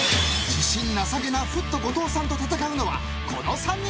自信なさげなフット後藤さんと戦うのはこの３人。